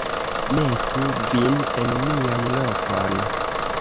metu vin en mian lokon.